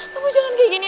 kamu jangan kayak gini